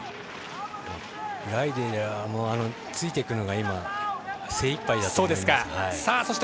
グライデラーもついていくのが精いっぱいだと思います。